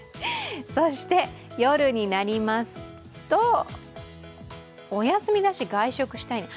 夜になりますと、お休みだし外食したいね。